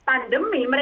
karena di triwunnya